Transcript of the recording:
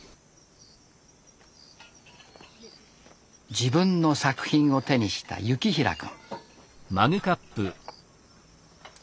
自分の作品を手にした倖成君。